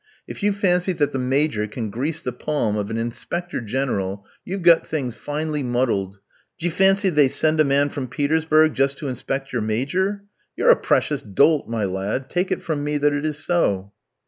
If you fancy that the Major can grease the palm of an Inspector General you've got things finely muddled; d'ye fancy they send a man from Petersburg just to inspect your Major? You're a precious dolt, my lad; take it from me that it is so."